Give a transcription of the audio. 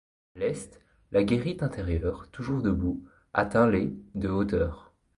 À l'est, la guérite intérieure, toujours debout, atteint les de hauteur.